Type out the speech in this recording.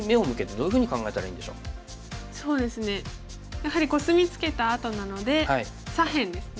やはりコスミツケたあとなので左辺ですね。